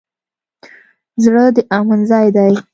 زړه د امن ځای دی.